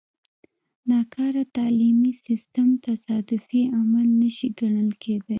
ناکاره تعلیمي سیستم تصادفي عمل نه شي ګڼل کېدای.